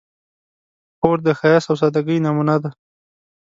خور د ښایست او سادګۍ نمونه ده.